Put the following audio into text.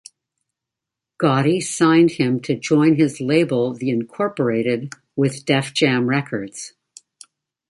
Gotti signed him to join his label The Incorporated with Def Jam Records.